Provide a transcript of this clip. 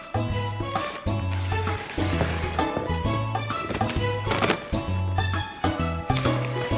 jangan jadi like